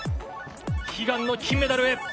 悲願の金メダルへ！